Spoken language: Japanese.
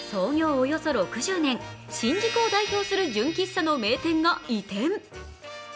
およそ６０年、新宿を代表する純喫茶の名店が移転。